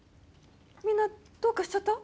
みんなどうかしちゃった？